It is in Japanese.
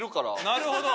なるほど。